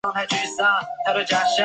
以自己女儿们为模特儿